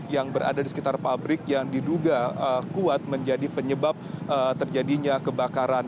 yang berada di sekitar pabrik yang diduga kuat menjadi penyebab terjadinya kebakaran